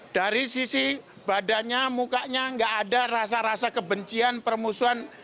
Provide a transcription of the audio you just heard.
dari sisi badannya mukanya nggak ada rasa rasa kebencian permusuhan